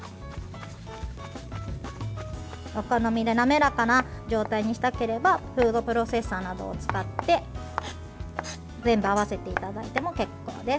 お好みで滑らかな状態にしたければフードプロセッサーなどを使って全部合わせていただいても結構です。